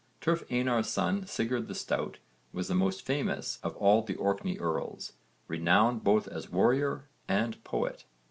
Turf Einar's son Sigurd the Stout was the most famous of all the Orkney earls, renowned both as warrior and poet.